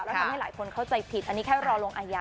แล้วทำให้หลายคนเข้าใจผิดอันนี้แค่รอลงอาญา